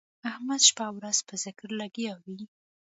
احمد شپه او ورځ په ذکر لګیا وي.